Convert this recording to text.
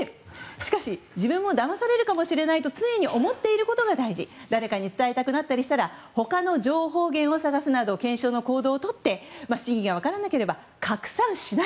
しかし自分もだまされるかもしれないと常に思っておくことも大事誰かに伝えたくなったりしたら他の情報源を探すなど検証の行動をとって真意が分からなければ拡散しない。